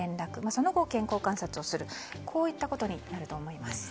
そのあと、健康観察をするといったことになると思います。